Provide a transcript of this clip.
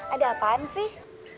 ada apaan sih